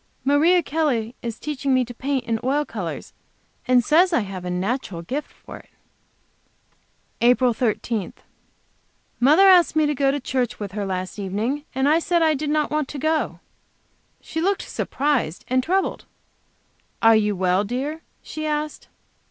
Maria Kelley is teaching me to paint in oil colors, and says I have a natural gift for it. APRIL 13. Mother asked me to go to church with her last evening, and I said I did not want to go. She looked surprised and troubled. "Are you not well, dear?" she asked.